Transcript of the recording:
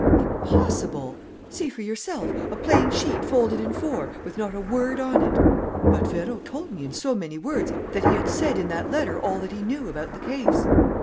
"Impossible!" "See for yourself a plain sheet folded in four, with not a word on it." "But Vérot told me in so many words that he had said in that letter all that he knew about the case."